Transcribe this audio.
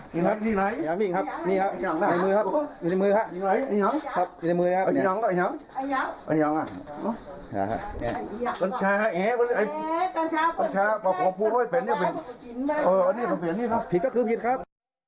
นี่ครับนี่ไงครับในมือครับในมือครับ